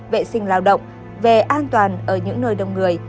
vệ sinh lao động về an toàn ở những nơi đông người